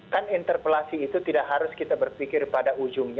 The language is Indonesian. kan interpelasi itu tidak harus kita berpikir pada ujungnya